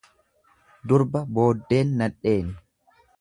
Durba booddeen nadheeni.